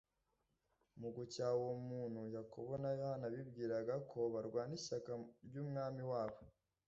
Mu gucyaha uwo muntu, Yakobo na Yohana bibwiraga ko barwana ishyaka ry'Umwami wabo;